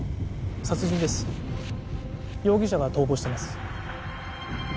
殺人です容疑者が逃亡してます